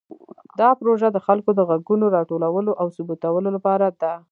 دا پروژه د خلکو د غږونو راټولولو او ثبتولو لپاره ده.